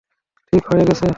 ঠিক হয়ে গেছে।